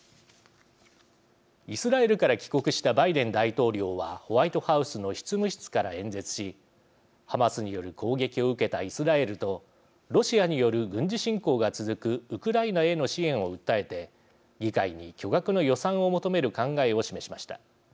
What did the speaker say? イスラエルから帰国したバイデン大統領はホワイトハウスの執務室から演説しハマスによる攻撃を受けたイスラエルとロシアによる軍事侵攻が続くウクライナへの支援を訴えて議会に巨額の予算を求める考えを示しました。